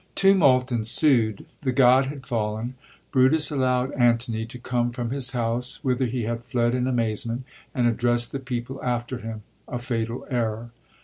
Tumult ensued : the god had fallen. Brutus allowd Antony to come from his house, whither he had fled in amazement, and address the people after him — a fatal error.